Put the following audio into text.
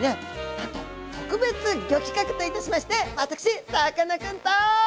なんと特別ギョ企画といたしまして私さかなクンと。